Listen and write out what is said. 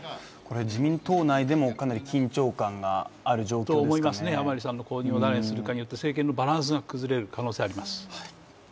自民党内でも緊張感のある状況ですよね。と思いますね、甘利さんの後任を誰にするかによって政権のバランスが崩れる可能性があります。